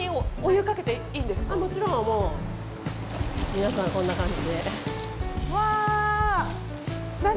皆さん、こんな感じで。